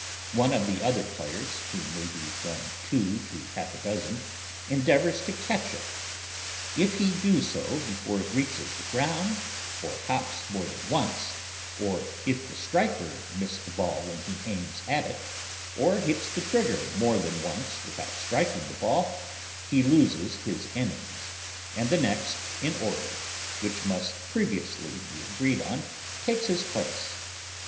One of the other players (who may be from two to half a dozen) endeavours to catch it. If he do so before it reaches the ground, or hops more than once, or if the striker miss the ball when he aims at it, or hits the trigger more than once without striking the ball, he loses his innings, and the next in order, which must previously be agreed on, takes his place.